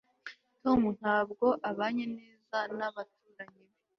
tom ntabwo abanye neza nabaturanyi be